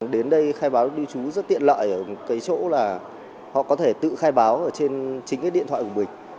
đến đây khai báo lưu trú rất tiện lợi ở cái chỗ là họ có thể tự khai báo ở trên chính cái điện thoại của mình